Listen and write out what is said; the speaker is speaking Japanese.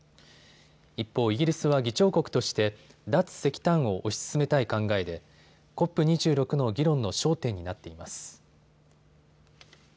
一方、イギリスは議長国として脱石炭を推し進めたい考えでＣＯＰ２６の議論の焦点になっています。